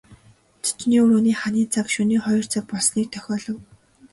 Зочны өрөөний ханын цаг шөнийн хоёр цаг болсныг дохиолов.